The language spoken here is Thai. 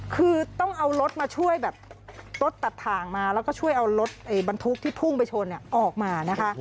คือต้องเอารถมาช่วยแบบรถตัดถ่างมาแล้วก็ช่วยเอารถบรรทุกที่พุ่งไปชนออกมานะคะ